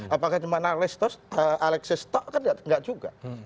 apakah cuma analis terus alexis tak kan tidak juga